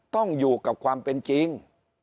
ต้องอยู่กับความเป็นจริง